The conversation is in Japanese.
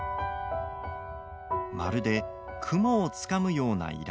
まるで雲をつかむような依頼。